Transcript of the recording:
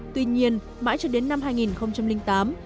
tuy nhiên mãi cho đến năm hai nghìn tám